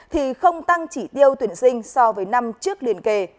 thì không tăng chỉ tiêu tuyển sinh so với năm trước liên kề